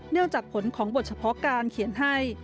จากผลของบทเฉพาะการเขียนให้